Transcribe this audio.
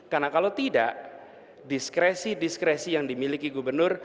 karena kalau tidak diskresi diskresi yang dimiliki gubernur